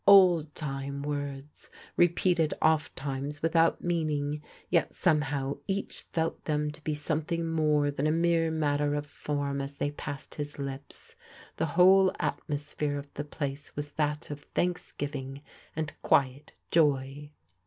Old time words, repeated ofttimes without meaning; yet somehow each felt them to be something more than a mere matter of form as they passed his lips. The whole atmosphere of the place was that of thanksgiving, and quiet joy.